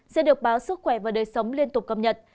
sẽ được báo sức khỏe và đời sống liên tục cập nhật